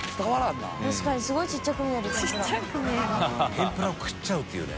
天ぷらをくっちゃうっていうね。